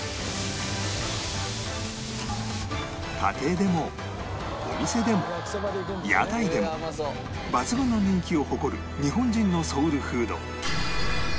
家庭でもお店でも屋台でも抜群の人気を誇る日本人のソウルフード